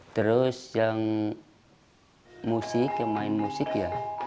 terus yang musik yang main musik ya